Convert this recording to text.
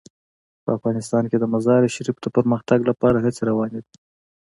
په افغانستان کې د مزارشریف د پرمختګ لپاره هڅې روانې دي.